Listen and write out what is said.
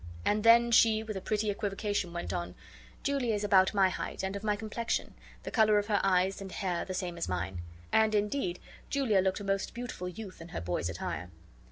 And then she with a pretty equivocation went on: "Julia is about my height, and of my complexion, the color of her eyes and hair the same as mine." And indeed Julia looked a most beautiful youth in her boy's attire.